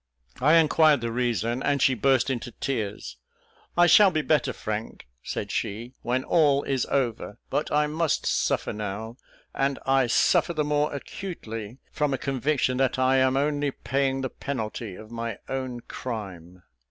I inquired the reason, and she burst into tears. "I shall be better, Frank," said she, "when all is over, but I must suffer now; and I suffer the more acutely from a conviction that I am only paying the penalty of my own crime.